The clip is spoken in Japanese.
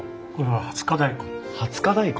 二十日大根。